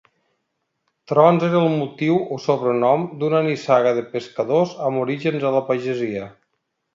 Trons era el motiu o sobrenom d’una nissaga de pescadors amb orígens a la pagesia.